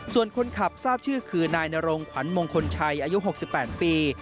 ส่วนคนขับทราบชื่อคือนายนรงขวัญมงคลชัยอายุ๖๘ปี